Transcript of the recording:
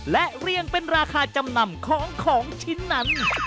และเรียงเป็นราคาจำนำของของชิ้นนั้น